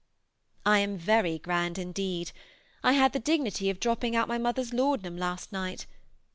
I am very grand indeed; I had the dignity of dropping out my mother's laudanum last night.